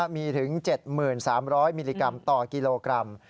มีถึง๗๓๐๐มิลลิกรัมต่อกิโลกรัม